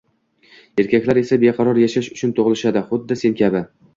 Erkaklar esa beqaror yashash uchun tug`ilishadi, xuddi sen kabi